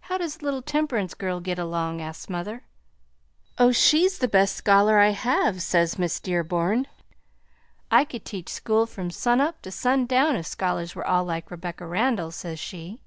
'How does the little Temperance girl git along?' asks mother. 'Oh, she's the best scholar I have!' says Miss Dearborn. 'I could teach school from sun up to sun down if scholars was all like Rebecca Randall,' says she."